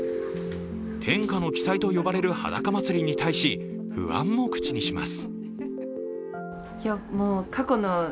天下の奇祭と呼ばれるはだか祭に対し、不安も口にします。